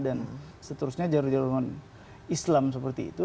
dan seterusnya jarum jarum islam seperti itu